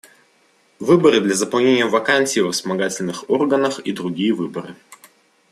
Выборы для заполнения вакансий во вспомогательных органах и другие выборы.